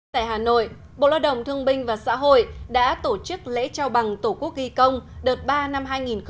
tại hà nội bộ loa đồng thương binh và xã hội đã tổ chức lễ trao bằng tổ quốc ghi công đợt ba năm hai nghìn một mươi bảy